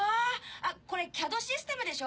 あっこれＣＡＤシステムでしょ？